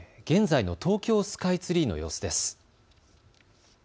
現在の東京スカイツリーの様子です。